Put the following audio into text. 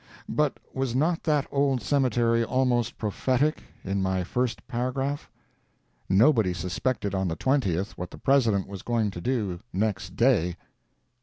But was not that old cemetery almost prophetic, in my first paragraph? Nobody suspected on the 20th what the President was going to do next day.